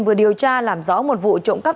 vừa điều tra làm rõ một vụ trộm cắp